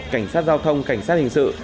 cảnh sát giao thông cảnh sát hình sự